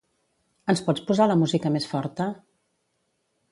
Ens pots posar la música més forta?